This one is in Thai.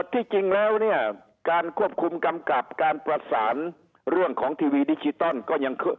ที่จริงแล้วเนี่ยการควบคุมกำกับการประสานเรื่องของทีวีดิจิตอลก็ยัง